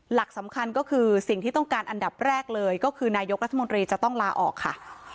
หลักสำคัญก็คือสิ่งที่ต้องการอันดับแรกเลยก็คือนายกรัฐมนตรีจะต้องลาออกค่ะ